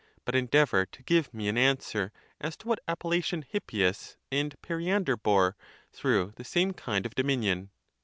But endeavour to give me an answer as to what appellation Hippias and Periander bore through the same kind of dominion